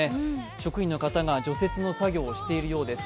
職員の方が除雪の作業をしているようです。